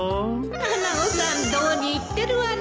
穴子さん堂に入ってるわね